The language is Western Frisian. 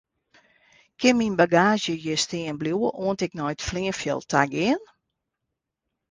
Kin myn bagaazje hjir stean bliuwe oant ik nei it fleanfjild ta gean?